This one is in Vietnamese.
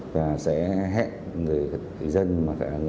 và sẽ hẹn người dân người đại diện doanh nghiệp đến cấp giấy cho công an phường